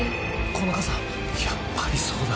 この傘やっぱりそうだ。